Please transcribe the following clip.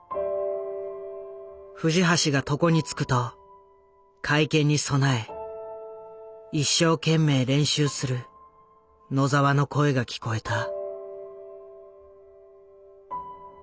藤橋が床に就くと会見に備え一生懸命練習する野澤の声が聞こえた。